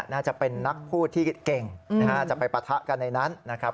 น่าจะเป็นนักพูดที่เก่งจะไปปะทะกันในนั้นนะครับ